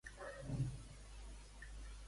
En quin moment de la guerra?